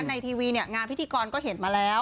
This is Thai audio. ในทีวีเนี่ยงานพิธีกรก็เห็นมาแล้ว